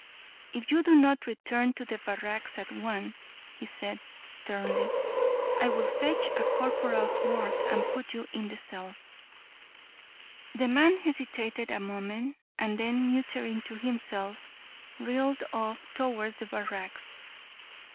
"If you do not return to the barracks at once," he said, sternly, "I will fetch a corporal's guard and put you in the cells." The man hesitated a moment, and then muttering to himself, reeled off towards the barracks.